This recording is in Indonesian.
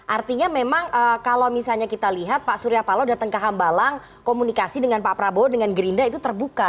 artinya memang kalau misalnya kita lihat pak surya paloh datang ke hambalang komunikasi dengan pak prabowo dengan gerindra itu terbuka